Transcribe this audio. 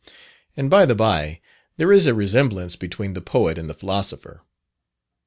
And, by the bye, there is a resemblance between the poet and the philosopher.